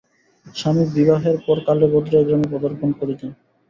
স্বামী বিবাহের পর কালেভদ্রে এ গ্রামে পদার্পণ করিতেন।